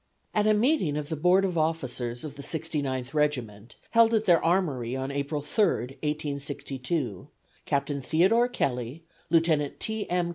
At a meeting of the Board of Officers of the Sixty ninth Regiment, held at their armory on April 3, 1862, Captain Theodore Kelly, Lieutenant T. M.